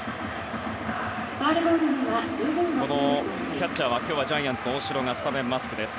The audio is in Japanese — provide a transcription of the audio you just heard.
キャッチャーは今日はジャイアンツの大城がスタメンマスクです。